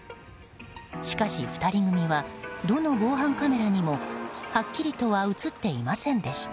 しかし、２人組はどの防犯カメラにもはっきりとは映っていませんでした。